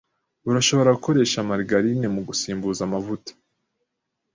Urashobora gukoresha margarine mugusimbuza amavuta.